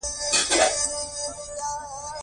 بوتل له شیشې یا پلاستیک جوړېږي.